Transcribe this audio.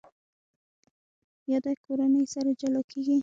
یاده کورنۍ سره جلا کېږي.